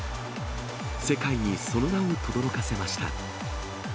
世界にその名をとどろかせました。